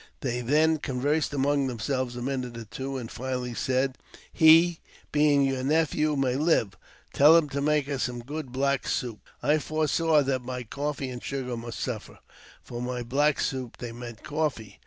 They then conversed among themselves a minute or two, and finally said, " He, being your nephew, may live. Tell him to make us some good black soup." I foresaw that my coffee and sugar must suffer, for by black soup they meant coffee.